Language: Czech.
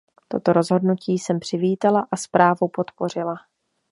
Toto rozhodnutí jsem přivítala a zprávu podpořila.